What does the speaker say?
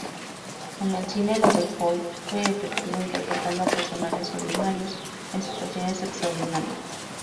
En el cine Lovejoy fue efectivo interpretando a personajes ordinarios en situaciones extraordinarias.